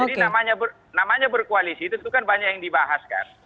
jadi namanya berkoalisi itu kan banyak yang dibahaskan